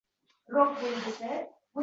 “Ulugʻ yoʻl” gazetasining yangi soni sotuvda!